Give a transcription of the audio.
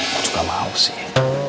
gue juga mau sih